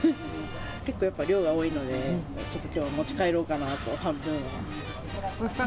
結構、やっぱり量が多いのでちょっときょうは持ち帰ろうかなと、半分は。